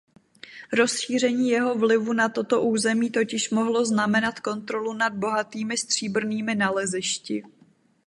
Rozšíření jeho vlivu na toto území totiž mohlo znamenat kontrolu nad bohatými stříbrnými nalezišti.